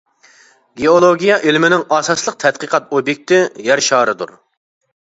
گېئولوگىيە ئىلمىنىڭ ئاساسلىق تەتقىقات ئوبيېكتى يەر شارىدۇر.